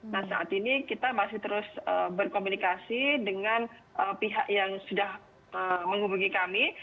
nah saat ini kita masih terus berkomunikasi dengan pihak yang sudah menghubungi kami